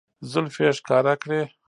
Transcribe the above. زلفې يې ښکاره کړې